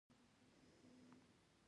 زه خپل وخت د ګټورو کارونو لپاره ساتم.